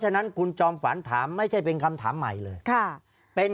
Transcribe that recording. ฉะนั้นคุณจอมฝันถามไม่ใช่เป็นคำถามใหม่เลย